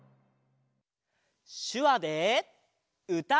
しゅわでうたおう！